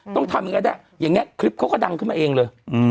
ต้องทำยังไงได้อย่างนี้คลิปเขาก็ดังขึ้นมาเองเลย